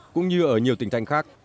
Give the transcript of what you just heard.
cũng như ở nhiều tỉnh thành khác